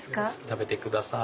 食べてください。